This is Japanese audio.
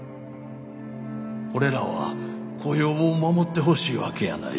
俺らは雇用を守ってほしいわけやない。